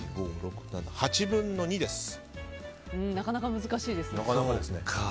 なかなか難しいですね。